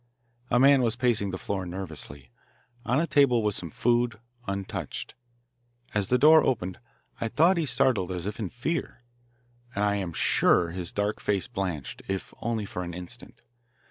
A man was pacing the floor nervously. On a table was some food, untouched. As the door opened I thought he started as if in fear, and I am sure his dark face blanched, if only for an instant.